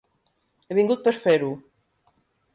He vingut per fer-ho.